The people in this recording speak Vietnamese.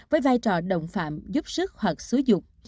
với vai trò đồng phạm giúp sức hoặc xúi dục